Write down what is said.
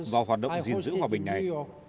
vào hoạt động gìn giữ hòa bình này